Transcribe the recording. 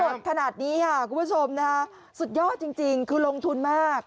ต้องสดขนาดนี้ค่ะคุณผู้ชมนะฮะสุดยอดจริงจริงคือลงทุนมาก